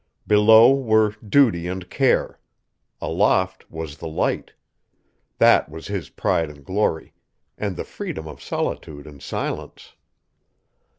Below were duty and care; aloft was the Light, that was his pride and glory, and the freedom of solitude and silence!